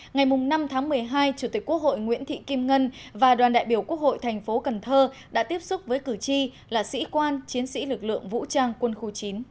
ngày năm tháng một mươi hai chủ tịch quốc hội nguyễn thị kim ngân và đoàn đại biểu quốc hội thành phố cần thơ đã tiếp xúc với cử tri là sĩ quan chiến sĩ lực lượng vũ trang quân khu chín